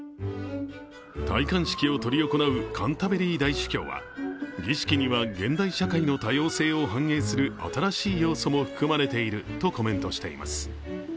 戴冠式を執り行うカンタベリー大主教は儀式には現代社会の多様性を反映する新しい要素も含まれているとコメントしています。